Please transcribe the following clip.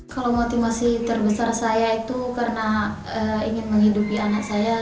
kalau motivasi terbesar saya itu karena ingin menghidupi anak saya